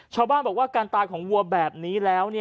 ชาวบ้านบอกว่าการตายของวัวแบบนี้แล้ว